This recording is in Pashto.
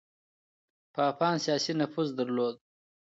پاپان سياسي نفوذ درلود.